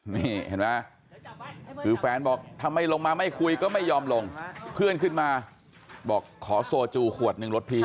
นี่เห็นไหมคือแฟนบอกถ้าไม่ลงมาไม่คุยก็ไม่ยอมลงเพื่อนขึ้นมาบอกขอโซจูขวดหนึ่งรถพี่